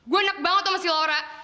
gue enak banget sama si laura